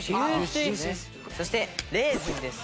そしてレーズンです。